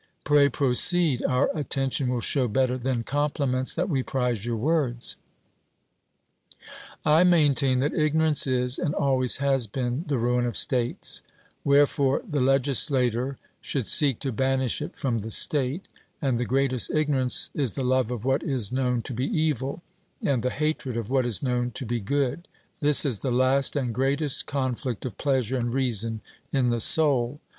'Pray proceed: our attention will show better than compliments that we prize your words.' I maintain that ignorance is, and always has been, the ruin of states; wherefore the legislator should seek to banish it from the state; and the greatest ignorance is the love of what is known to be evil, and the hatred of what is known to be good; this is the last and greatest conflict of pleasure and reason in the soul.